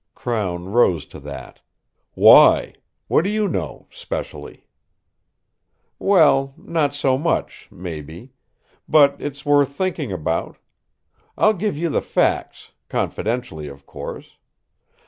Crown rose to that. "Why? What do you know specially?" "Well, not so much, maybe. But it's worth thinking about. I'll give you the facts confidentially, of course.